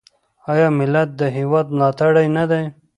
آیا ملت د هیواد ملاتړی نه دی؟